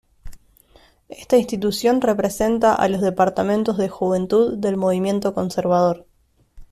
Esta institución representa a los Departamentos de Juventud del movimiento conservador.